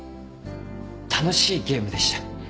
楽しいゲームでした。